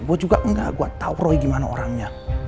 gue juga enggak gue tau roy gimana orangnya